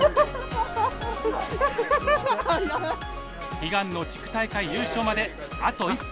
悲願の地区大会優勝まであと一歩。